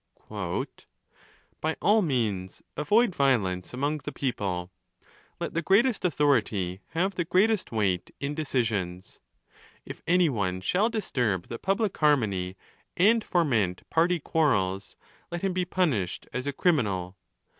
« By all means avoid violence among the people. Let the greatest authority have the greatest weight in decisions. If 'any one shall disturb the public harmony, and foment party quarrels, let him be punished as a criminal.